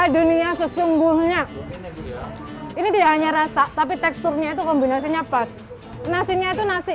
dunia sesungguhnya ini tidak hanya rasa tapi teksturnya itu kombinasinya bagus nasinya itu nasi